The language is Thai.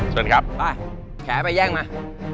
ช่วยนะครับไปแขวนไปแย่งมา